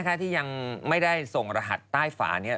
ถ้าที่ยังไม่ได้ส่งรหัสใต้ฝานี้